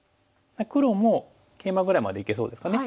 黒もケイマぐらいまでいけそうですかね。